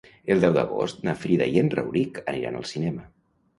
El deu d'agost na Frida i en Rauric aniran al cinema.